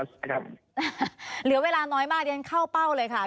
อาจารย์หรือเวลาน้อยมากยังเข้าเป้าเลยค่ะ